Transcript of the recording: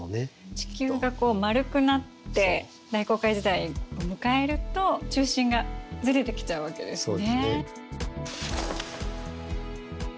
地球がこう丸くなって大航海時代を迎えると中心がずれてきちゃうわけですね。